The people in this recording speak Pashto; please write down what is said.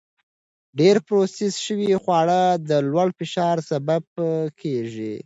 ډېر پروسس شوي خواړه د لوړ فشار سبب کېږي.